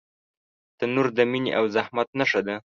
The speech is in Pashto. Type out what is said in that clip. تنور د مینې او زحمت نښه ده